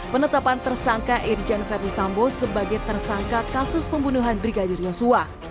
penetapan tersangka irjen verdi sambo sebagai tersangka kasus pembunuhan brigadir yosua